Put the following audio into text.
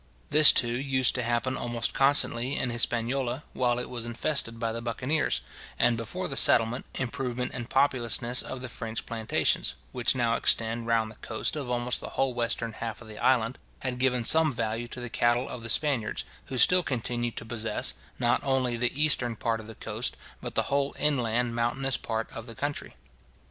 This, too, used to happen almost constantly in Hispaniola, while it was infested by the buccaneers, and before the settlement, improvement, and populousness of the French plantations ( which now extend round the coast of almost the whole western half of the island) had given some value to the cattle of the Spaniards, who still continue to possess, not only the eastern part of the coast, but the whole inland mountainous part of the country.